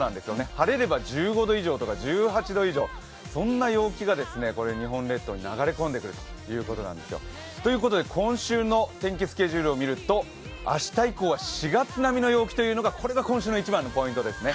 晴れれば１５度以上とか１８度以上、そんな陽気が日本列島に流れ込んでくるということなんです。ということで、今週の天気スケジュールを見ると、明日以降は、４月並みの陽気というのが、今週の一番のポイントですね